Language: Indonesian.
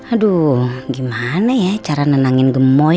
aduh gimana ya cara nenangin gemoy